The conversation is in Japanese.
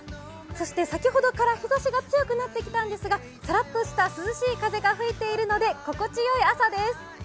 そして先ほどから日ざしが強くなってきたんですがさらっとした涼しい風が吹いているので心地よい朝です。